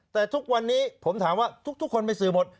แต่ทุกวันนี้ผมถามว่าทุกคนไปสื่อหมด